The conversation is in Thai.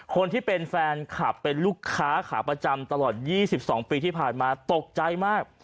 คนที่เป็นแฟนคลับเป็นลูกค้าขาประจำตลอด๒๒ปีที่ผ่านมาตกใจมาก